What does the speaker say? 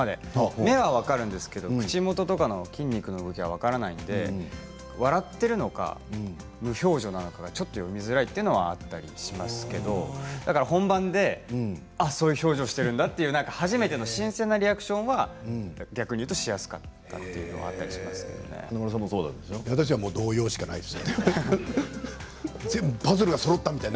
目は分かるんですけど口元とかの筋肉の動きは分からないので笑っているのか無表情なのかがちょっと読みづらいというのがあったりしますけど本番でそういう表情をしているんだと初めて新鮮なリアクションは逆にいうとしやすかったというのが私は動揺しかないです。